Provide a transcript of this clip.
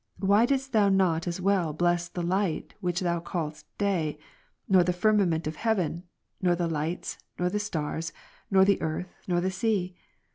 why didst Thou not as well bless the light, which Thou calledst day ; nor the firmament of heaven, nor the lights, nor the stars, nor the earth, nor the sea